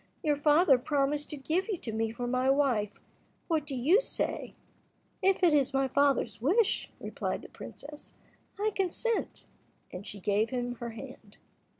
Your father promised to give you to me for my wife: what do you say?" "If it is my father's wish," replied the princess, "I consent," and she gave him her hand.